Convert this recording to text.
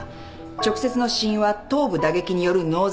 直接の死因は頭部打撃による脳挫傷。